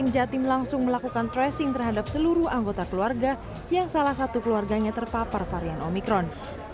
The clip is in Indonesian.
jatim langsung melakukan tracing terhadap seluruh anggota keluarga yang salah satu keluarganya terpapar varian omikron